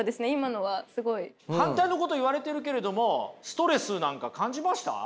反対のこと言われてるけれどもストレスなんか感じました？